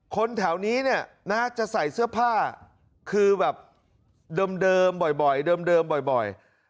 คนแถวนี้น่าจะใส่เสื้อผ้าคือแบบเดิมบ่อย